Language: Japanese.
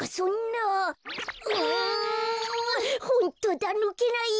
ホントだぬけないよ！